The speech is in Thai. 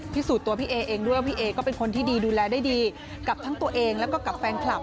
พิสูจน์ตัวพี่เอเองด้วยว่าพี่เอก็เป็นคนที่ดีดูแลได้ดีกับทั้งตัวเองแล้วก็กับแฟนคลับ